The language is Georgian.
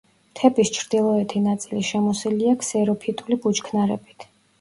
მთების ჩრდილოეთი ნაწილი შემოსილია ქსეროფიტული ბუჩქნარებით.